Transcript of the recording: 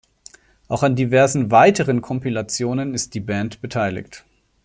Auch an diversen weiteren Kompilationen ist die Band beteiligt.